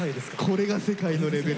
これが世界のレベル。